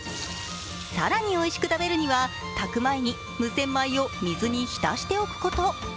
更においしく食べるには炊く前に無洗米を水に浸しておくこと。